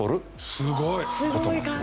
すごい。って事なんですね。